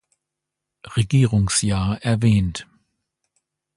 Regierungsjahr erwähnt.